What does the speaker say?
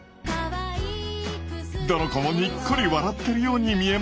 どの子もにっこり笑ってるように見えますよね。